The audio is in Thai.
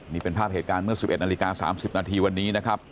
นี่เป็นภาพเหตุการณ์เมื่อ๑๑นาฬิกา๓๐นาทีวันนี้นะครับ